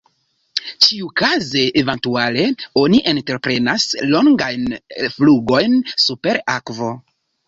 Ĉiukaze eventuale oni entreprenas longajn flugojn super akvo.